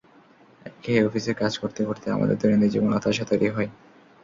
একঘেয়ে অফিসের কাজ করতে করতে আমাদের দৈনন্দিন জীবনে হতাশা তৈরি হয়।